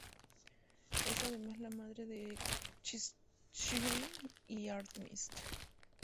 Es además la madre de Cheshire y Artemis.